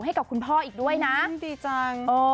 ให้กับคุณพ่ออีกด้วยนะโอ้โฮดีจังโอ้โฮ